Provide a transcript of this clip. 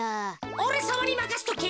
おれさまにまかしとけ。